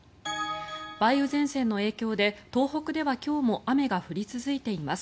梅雨前線の影響で東北では今日も雨が降り続いています。